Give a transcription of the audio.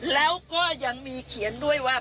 แล้วก็ยังมีเขียนด้วยว่า